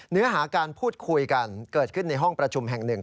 เนื้อหาการพูดคุยกันเกิดขึ้นในห้องประชุมแห่งหนึ่ง